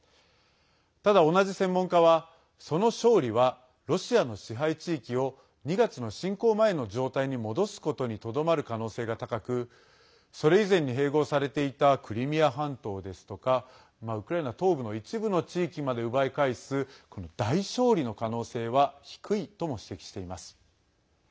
ただ、同じ専門家はその勝利は、ロシアの支配地域を２月の侵攻前の状態に戻すことにとどまる可能性が高くそれ以前に併合されていたクリミア半島ですとかウクライナ東部の一部の地域まで奪い返す大勝利の可能性は低いとも指摘しています。